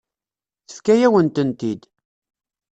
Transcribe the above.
Tefka-yawen-tent-id.